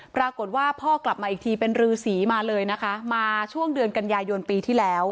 ปรากฏว่าพ่อกลับมาอีกทีเป็นรือสีมาเลยนะคะมาช่วงเดือนกันยายนปีที่แล้ว